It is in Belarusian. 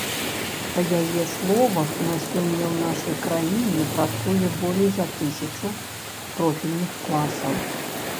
Па яе словах, на сёння ў нашай краіне працуе болей за тысячу профільных класаў.